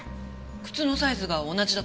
靴のサイズが同じだとか？